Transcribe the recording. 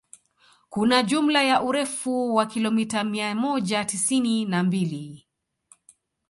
Kuna jumla ya urefu wa kilomita mia moja tisini na mbili